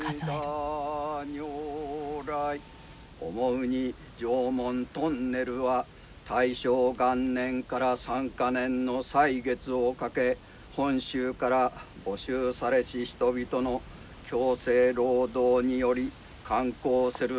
思うに常紋トンネルは大正元年から３か年の歳月をかけ本州から募集されし人々の強制労働により完工するものなり。